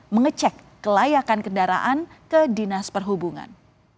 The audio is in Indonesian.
mengecek kelayakan kendaraan ke dinas perhubungan